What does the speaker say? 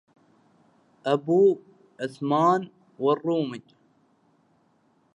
أبو عثمان والرومي